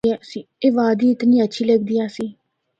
اے وادی اتنی ہچھی لگدی آسی۔